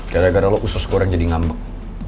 gara gara lo usus kurang jadi ngambek